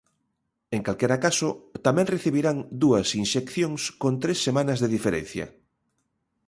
En calquera caso, tamén recibirán dúas inxeccións con tres semanas de diferencia.